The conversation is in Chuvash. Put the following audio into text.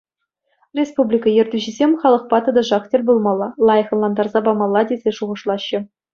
Республика ертӳҫисем халӑхпа тӑтӑшах тӗл пулмалла, лайӑх ӑнлантарса памалла тесе шухӑшлаҫҫӗ.